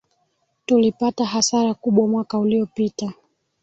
Tulipata hasara kubwa mwaka uliopita